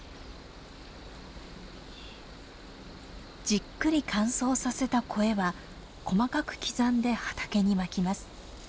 じっくり乾燥させたコエは細かく刻んで畑にまきます。